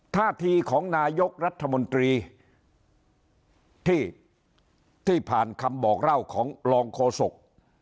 ท่าทีของนายกรัฐมนตรีที่ผ่านคำบอกเล่าของรองโฆษก